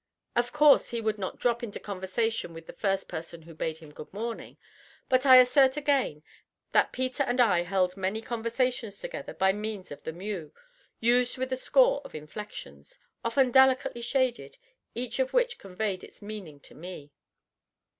_ Of course he would not drop into conversation with the first person who bade him "good morning," but I assert again that Peter and I held many conversations together by means of the "mew," used with a score of inflections, often delicately shaded, each of which conveyed its meaning to me.